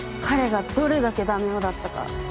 彼がどれだけダメ男だったか